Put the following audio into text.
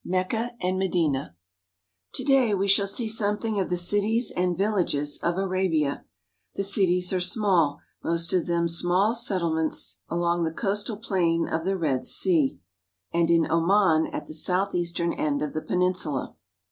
MECCA AND MEDINA TO DAY we shall see something of the cities and villages of Arabia. The cities are small, most of them small settlements along the coastal plain of the Red Sea IN AN ARABIAN VILLAGE 343 and in Oman at the southeastern end of the peninsula.